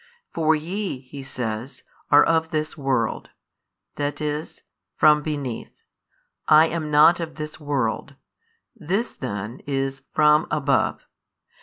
For YE (He says) are of this world, i. e., from beneath, I am not of this world, this then is From above.